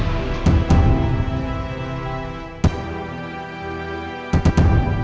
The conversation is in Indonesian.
kalau enggak kamu bisa bantu saya ya